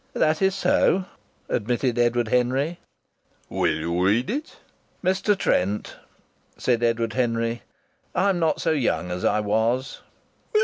"That is so," admitted Edward Henry. "Will you read it?" "Mr. Trent," said Edward Henry, "I'm not so young as I was."